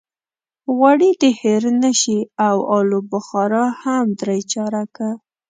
غوړي دې هېر نه شي او الوبخارا هم درې چارکه.